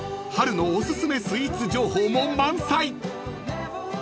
春のおすすめスイーツ情報も満載］